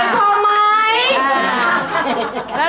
อะไรมั้ยครับ